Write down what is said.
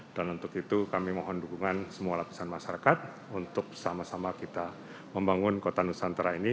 dan untuk itu kami mohon dukungan semua lapisan masyarakat untuk sama sama kita membangun kota nusantara ini